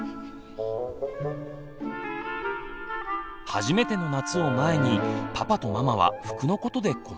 初めての夏を前にパパとママは服のことで困っています。